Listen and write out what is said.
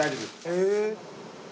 へえ。